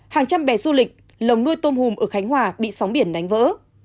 chín hàng trăm bé du lịch lồng nuôi tôm hùm ở khánh hòa bị sóng biển đánh vỡ